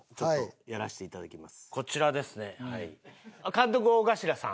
監督大頭さん。